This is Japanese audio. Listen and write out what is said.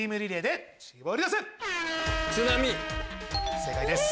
正解です。